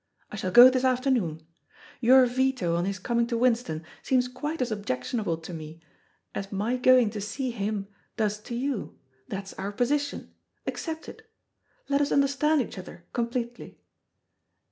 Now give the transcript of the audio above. I shall go this afternoon. Your veto on his coming to Winston seems quite as objectionable to me, as my going to see him does to you. That's our position; accept it. Let us understand each other completely.